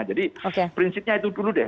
jadi prinsipnya itu dulu deh